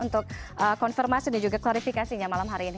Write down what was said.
untuk konfirmasi dan juga klarifikasinya malam hari ini